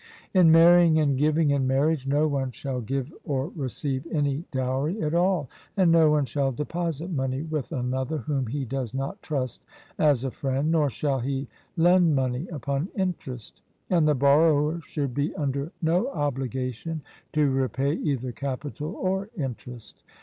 In marrying and giving in marriage, no one shall give or receive any dowry at all; and no one shall deposit money with another whom he does not trust as a friend, nor shall he lend money upon interest; and the borrower should be under no obligation to repay either capital or interest.